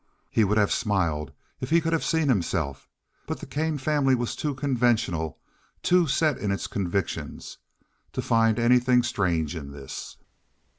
He would have smiled if he could have seen himself, but the Kane family was too conventional, too set in its convictions, to find anything strange in this.